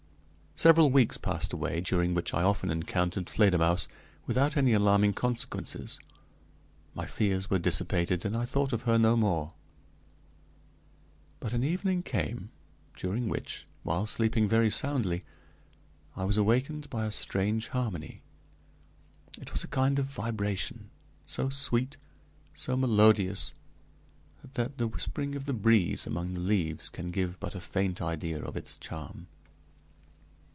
Several weeks passed away, during which I often encountered Fledermausse without any alarming consequences. My fears were dissipated, and I thought of her no more. But an evening came, during which, while sleeping very soundly, I was awakened by a strange harmony. It was a kind of vibration, so sweet, so melodious, that the whispering of the breeze among the leaves can give but a faint idea of its charm.